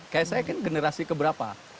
kayak saya kan generasi keberapa